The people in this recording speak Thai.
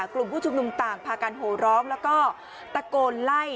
กลุ่มผู้ชุมนุมต่างพากันโหร้องแล้วก็ตะโกนไล่